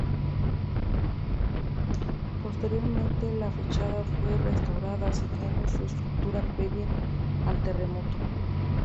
Posteriormente la fachada fue restaurada, siguiendo su estructura previa al terremoto.